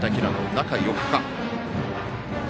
中４日。